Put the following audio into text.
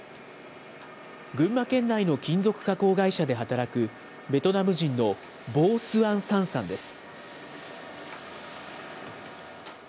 群馬県内の金属加工会社で働くベトナム人のヴォー・スアン・サンさんです。